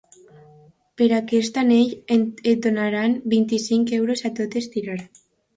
Per aquest anell et donaran vint-i-cinc euros a tot estirar.